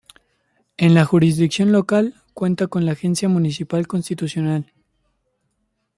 En la jurisdicción local cuenta con Agencia Municipal Constitucional.